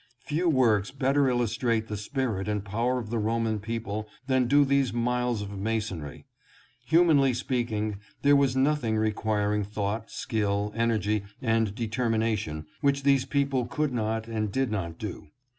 Few works better illustrate the spirit and power of the Roman people than do these miles of masonry. Humanly speaking, there was nothing requiring thought, skill, energy and determination which these people could not and did not do.